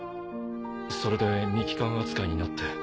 それで未帰還扱いになって。